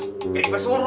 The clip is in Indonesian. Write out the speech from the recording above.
gak bisa pesuru